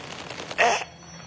えっ？